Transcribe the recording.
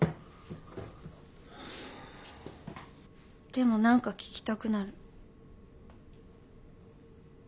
でも何か聞きたくなる。